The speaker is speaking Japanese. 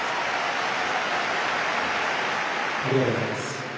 ありがとうございます。